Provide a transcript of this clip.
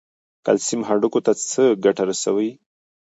کلسیم هډوکو ته څه ګټه رسوي؟